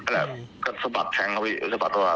แล้วก็สะบัดแทงเขาพี่สะบัดตัว